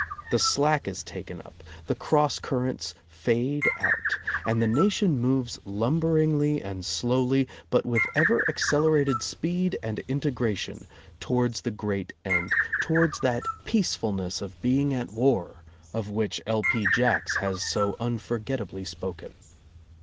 The slack is taken up, the cross currents fade out, and the nation moves lumberingly and slowly, but with ever accelerated speed and integration, towards the great end, towards that "peacefulness of being at war," of which L. P. Jacks has so unforget ably spoken.